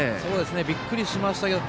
びっくりしましたけど。